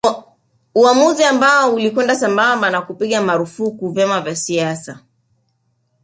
Uamuzi ambao ulikwenda sambamba na kupiga marufuku vyama vya siasa